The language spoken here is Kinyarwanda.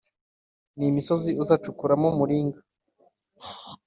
n’imisozi uzacukuramo umuringa. “